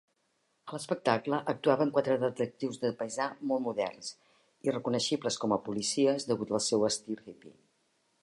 A l'espectacle actuaven quatre detectius de paisà molt moderns: irreconeixibles com a policies degut al seu estil hippy.